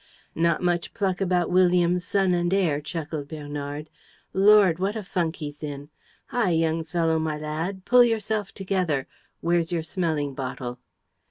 "Not much pluck about William's son and heir," chuckled Bernard. "Lord, what a funk he's in! Hi, young fellow my lad, pull yourself together! Where's your smelling bottle?"